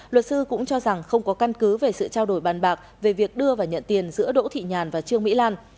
luật sư cũng cho rằng không có căn cứ về sự trao đổi bàn bạc về việc đưa và nhận tiền giữa đỗ thị nhàn và trương mỹ lan